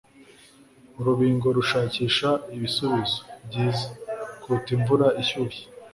urubingo rushakisha ibisubizo byiza kuruta imvura ishyushye